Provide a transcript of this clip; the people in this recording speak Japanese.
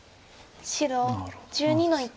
白１２の一。